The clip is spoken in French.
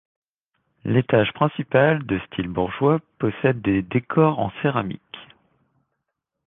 L'étage principal, de style bourgeois, possède des décors en céramique.